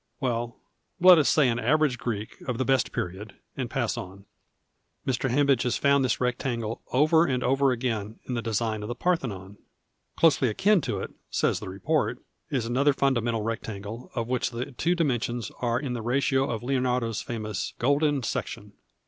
Well, let us say an average Greek of the best period, and pass on. Mr. Hambidge has found this rectangle over and over again in the design of the Parthenon. " Closely akin "' to it, says the report, is another fundamental rectangle, of which the two dimensions arc in tlic ratio of Leonardo's famous " golden section."